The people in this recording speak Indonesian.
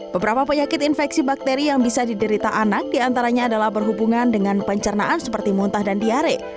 beberapa penyakit infeksi bakteri yang bisa diderita anak diantaranya adalah berhubungan dengan pencernaan seperti muntah dan diare